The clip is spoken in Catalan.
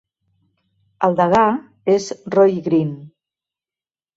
El degà és Roy Green.